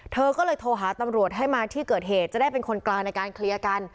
เธอก็เลยโทรหาตำรวจให้มาที่เกิดเหตุจะได้เป็นคนกลางในการเคลียร์กัน